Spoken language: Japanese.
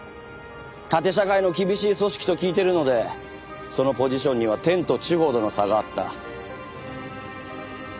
縦社会の厳しい組織と聞いてるのでそのポジションには天と地ほどの差があった。